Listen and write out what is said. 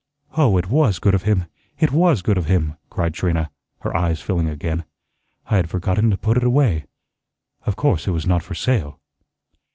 "Oh, it WAS good of him, it WAS good of him," cried Trina, her eyes filling again. "I had forgotten to put it away. Of course it was not for sale."